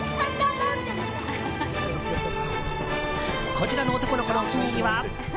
こちらの男の子のお気に入りは。